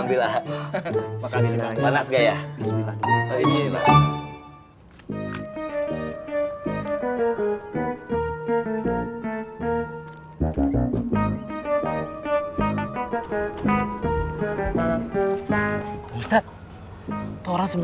nggak ditawa ditawa